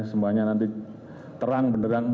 semuanya nanti terang beneran